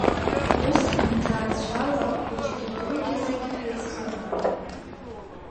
Усҟан ҭаацәала хәыҷгьы дугьы зегь ҳаицхыраауан.